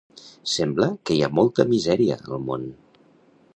Sembla que hi ha molta misèria al món.